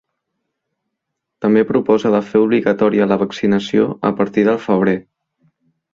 També proposa de fer obligatòria la vaccinació a partir del febrer.